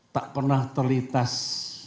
tak pernah terlintas